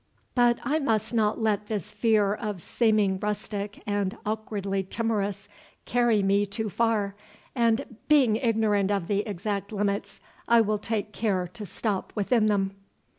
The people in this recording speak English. But I must not let this fear of seeming rustic and awkwardly timorous carry me too far; and being ignorant of the exact limits, I will take care to stop within them."